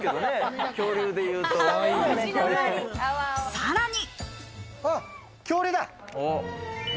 さらに。